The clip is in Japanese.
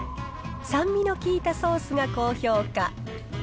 酸味の効いたソースが高評価。